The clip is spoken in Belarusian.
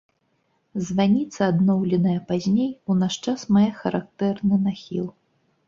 Званіца, адноўленая пазней, у наш час мае характэрны нахіл.